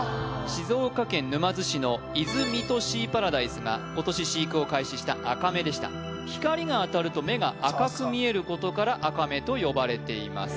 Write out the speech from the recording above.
静岡県沼津市の伊豆・三津シーパラダイスが今年飼育を開始したアカメでした光が当たると目が赤く見えることからアカメと呼ばれています